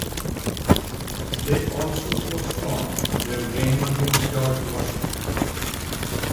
They also postponed their game against George Washington.